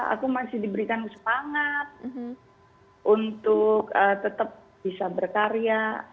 aku masih diberikan semangat untuk tetap bisa berkarya